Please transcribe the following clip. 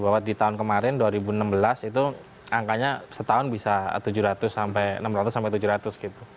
bahwa di tahun kemarin dua ribu enam belas itu angkanya setahun bisa tujuh ratus sampai enam ratus sampai tujuh ratus gitu